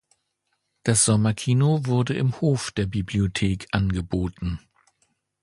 Das Sommerkino wurde im Hof der Bibliothek angeboten.